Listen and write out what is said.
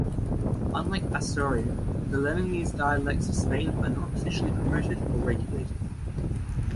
Unlike Asturian, the Leonese dialects of Spain are not officially promoted or regulated.